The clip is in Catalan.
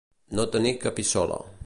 No tenir capissola.